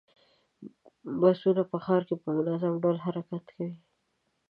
بسونه په ښار کې په منظم ډول حرکت کوي.